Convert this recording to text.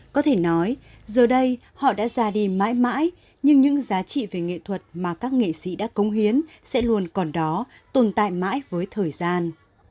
có thể nói giờ đây họ đã ra đi mãi mãi nhưng những giá trị về nghệ thuật mà các nghệ sĩ đã cống hiến sẽ luôn còn đó tồn tại mãi với thời gian